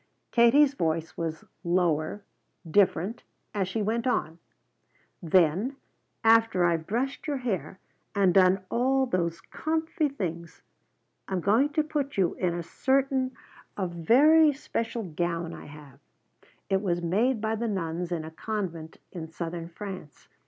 Katie's voice was lower, different, as she went on: "Then after I've brushed your hair and done all those 'comfy' things I'm going to put you in a certain, a very special gown I have. It was made by the nuns in a convent in Southern France.